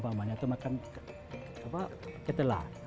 dan mereka mencoba mengalihkan dari tradisi makan sagu atau makan ketela